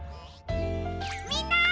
みんな！